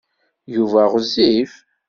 Yuba ɣezzif.